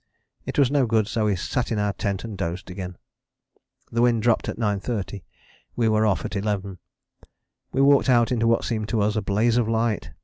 It was no good, so we sat in our tent and dozed again. The wind dropped at 9.30: we were off at 11. We walked out into what seemed to us a blaze of light.